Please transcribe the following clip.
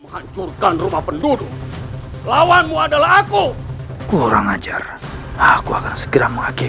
menghancurkan rumah penduduk lawanmu adalah aku kurang ajar aku akan segera mengakhiri